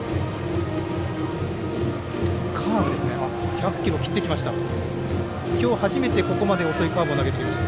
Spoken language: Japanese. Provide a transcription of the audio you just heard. カーブ１００キロ切ってきました。